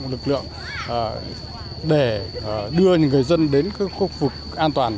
cơ bản là lực lượng để đưa người dân đến các khu vực an toàn